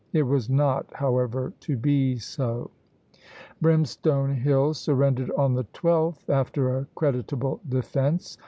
It was not, however, to be so. Brimstone Hill surrendered on the 12th, after a creditable defence.